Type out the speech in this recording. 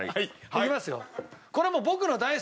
いきますよ。